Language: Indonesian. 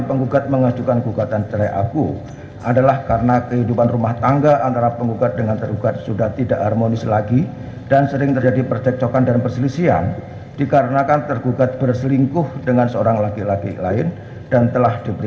pertama penggugat akan menerjakan waktu yang cukup untuk menerjakan si anak anak tersebut yang telah menjadi ilustrasi